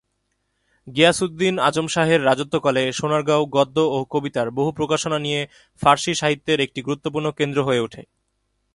গিয়াসউদ্দিন আজম শাহের রাজত্বকালে সোনারগাঁও গদ্য ও কবিতার বহু প্রকাশনা নিয়ে ফার্সি সাহিত্যের একটি গুরুত্বপূর্ণ কেন্দ্র হয়ে ওঠে।